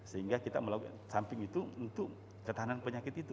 sehingga kita melakukan samping itu untuk ketahanan penyakit itu